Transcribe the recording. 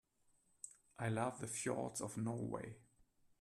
I love the fjords of Norway.